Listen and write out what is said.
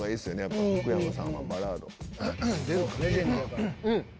レジェンドやから。